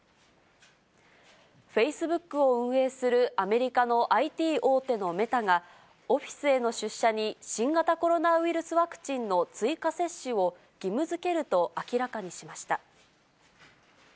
フェイスブックを運営するアメリカのＩＴ大手のメタが、オフィスへの出社に新型コロナウイルスワクチンの追加接種を義務づけると明らかにしました。